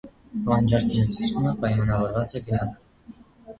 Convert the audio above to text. Պահանջարկի մեծությունը պայմանավորված է գնով։